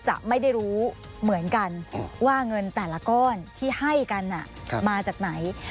จะไม่ได้รู้เหมือนกันว่าเงินแต่ละก้อนที่ให้กันมาจากไหน